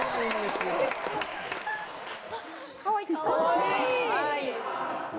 かわいい！